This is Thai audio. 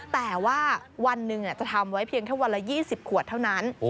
แต่ว่าวันหนึ่งจะทำไว้เพียงแค่วันละ๒๐ขวดเท่านั้น